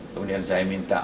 kemudian saya minta